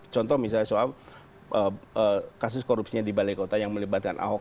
contoh misalnya soal kasus korupsinya di balai kota yang melibatkan ahok